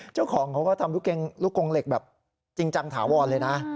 เจ้าของเขาก็ทำลูกกงเหล็กแบบจริงจังถาวรเลยนะ